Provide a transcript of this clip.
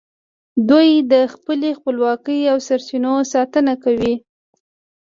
دوی د خپلې خپلواکۍ او سرچینو ساتنه کوي